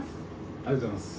ありがとうございます。